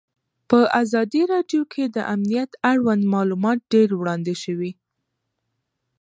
په ازادي راډیو کې د امنیت اړوند معلومات ډېر وړاندې شوي.